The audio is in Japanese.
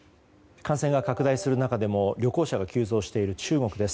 感染が拡大する中でも旅行者が急増している中国です。